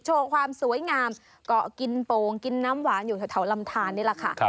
โชว์ความสวยงามเกาะกินโป่งกินน้ำหวานอยู่แถวลำทานนี่แหละค่ะ